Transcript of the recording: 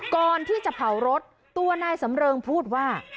ก่อนที่จะเผารถตัวนายสำเริงพูดว่า